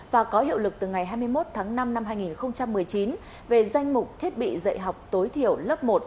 và có hiệu lực từ ngày hai mươi một tháng năm năm hai nghìn một mươi chín về danh mục thiết bị dạy học tối thiểu lớp một